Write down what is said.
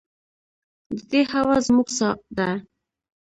د دې هوا زموږ ساه ده